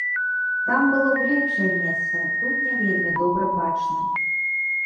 Там было б лепшае месца, тут не вельмі добра бачна.